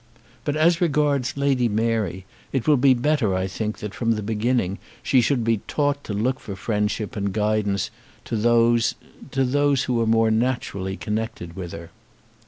But as regards Lady Mary, it will be better, I think, that from the beginning she should be taught to look for friendship and guidance to those to those who are more naturally connected with her."